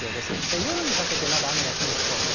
夜にかけてまだ雨が続きそうです。